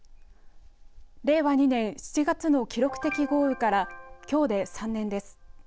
令和２年７月の記録的豪雨からきょうで３年です。